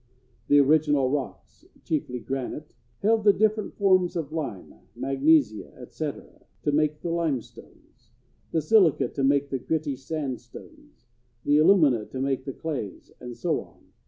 The original rocks—chiefly granite—held the different forms of lime, magnesia, etc., to make the limestones; the silica to make the gritty sandstones; the alumina to make the clays; and so on.